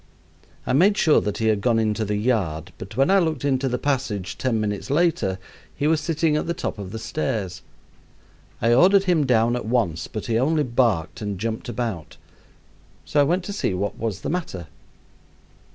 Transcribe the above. I made sure that he had gone in to the yard, but when I looked into the passage ten minutes later he was sitting at the top of the stairs. I ordered him down at once, but he only barked and jumped about, so I went to see what was the matter.